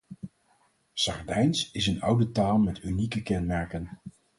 Sardijns is een oude taal met unieke kenmerken.